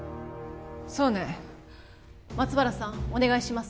そうね松原さんお願いします